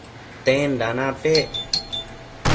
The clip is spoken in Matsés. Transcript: tenda napec?